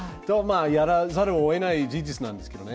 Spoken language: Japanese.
やらざるをえない事実なんですけどね。